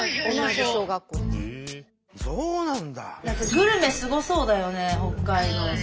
グルメすごそうだよね北海道さ。